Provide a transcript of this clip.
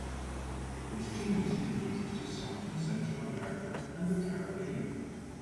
This genus is native to South and Central America and the Caribbean.